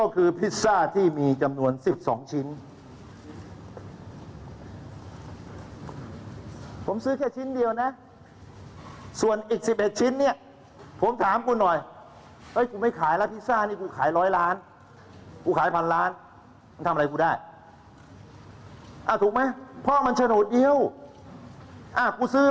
กูขายพันล้านทำอะไรกูได้ถูกไหมพ่อมันโฉนดเดียวกูซื้อ